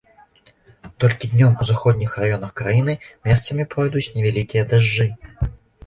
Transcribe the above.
Толькі днём у заходніх раёнах краіны месцамі пройдуць невялікія дажджы.